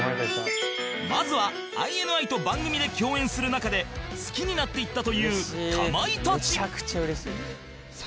まずは ＩＮＩ と番組で共演する中で好きになっていったというかまいたち